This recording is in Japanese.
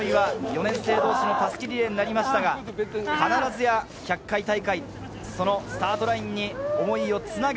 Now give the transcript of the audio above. この思いは４年生同士の襷リレーになりましたが必ずや１００回大会、そのスタートラインに思いを繋ぐ。